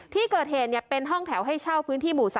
ที่เกิดเหตุเป็นห้องแถวให้เช่าพื้นที่หมู่๓